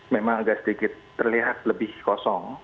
memang agak sedikit terlihat lebih kosong